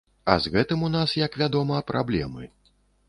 А з гэтым у нас, як вядома, праблемы.